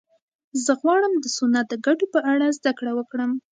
زه غواړم د سونا د ګټو په اړه زده کړه وکړم.